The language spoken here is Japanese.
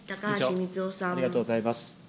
ありがとうございます。